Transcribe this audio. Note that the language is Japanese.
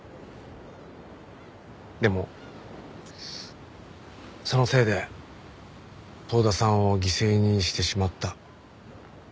でもそのせいで遠田さんを犠牲にしてしまった。